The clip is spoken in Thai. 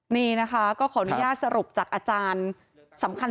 นี่นะคะก็ขออนุญาตสรุปจากอาจารย์สำคัญ